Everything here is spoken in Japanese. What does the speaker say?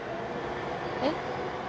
えっ？